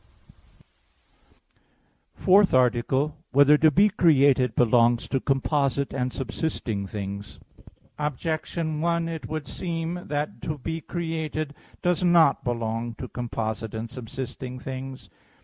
_______________________ FOURTH ARTICLE [I, Q. 45, Art. 4] Whether to Be Created Belongs to Composite and Subsisting Things? Objection 1: It would seem that to be created does not belong to composite and subsisting things.